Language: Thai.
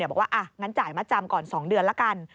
บอกว่างั้นจ่ายมาจำก่อน๒เดือนละกัน